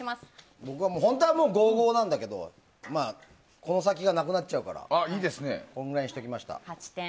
僕は本当は５、５なんだけどこの先がなくなっちゃうからこんくらいにしておきました。